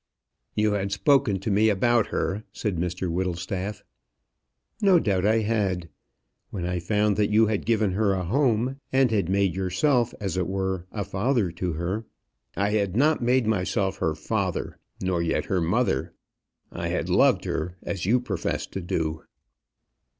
"You had spoken to me about her," said Mr Whittlestaff. "No doubt I had. When I found that you had given her a home, and had made yourself, as it were, a father to her " "I had not made myself her father, nor yet her mother. I had loved her, as you profess to do."